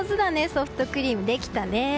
ソフトクリームできたね！